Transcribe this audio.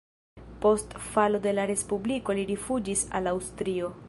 Post falo de la respubliko li rifuĝis al Aŭstrio.